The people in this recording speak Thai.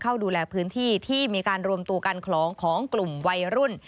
เข้าดูแลพื้นที่ที่มีการรวมตัวกันคลองของกลุ่มวัยรุ่น